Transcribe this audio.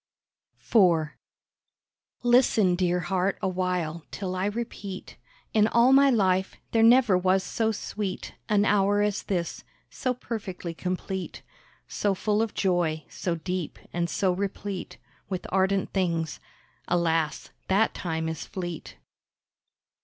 IV Listen, dear heart, awhile, till I repeat In all my life, there never was so sweet An hour as this; so perfectly complete, So full of joy, so deep and so replete With ardent things. Alas! that time is fleet.